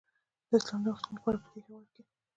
د اسلام د مخنیوي لپاره پدې هیواد کې